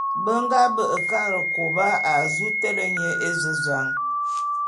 Be nga be'e Karekôba a zu télé nye ézezan.